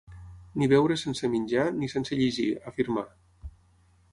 Ni beure sense menjar, ni, sense llegir, afirmar.